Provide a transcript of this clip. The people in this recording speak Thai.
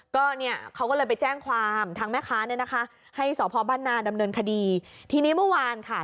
ก็เนี่ยเขาก็เลยไปแจ้งความทางแม่ค้าเนี่ยนะคะให้สพบ้านนาดำเนินคดีทีนี้เมื่อวานค่ะ